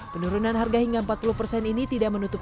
penurunan harga hingga empat puluh persen ini tidak menutup